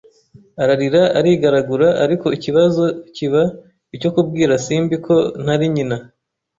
ararira arigaragura ariko ikibazo kiba icyo kubwira Simbi ko ntari nyina